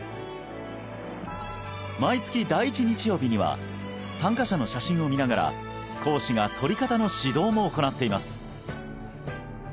毎月第一日曜日には参加者の写真を見ながら講師が撮り方の指導も行っています